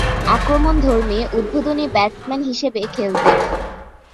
আক্রমণধর্মী উদ্বোধনী ব্যাটসম্যান হিসেবে খেলতেন।